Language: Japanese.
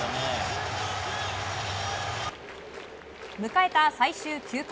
迎えた最終９回。